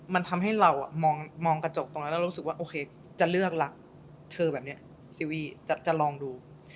มันทำให้เรามองกระจกตรงนั้นแล้วเรารู้สึกว่าโอเคจะเลือกล่ะเธอแบบนี้ซีวีจะลองดู